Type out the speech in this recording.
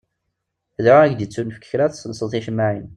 Dεu ad k-d-ittunefk kra tessenseḍ ticemmaεin.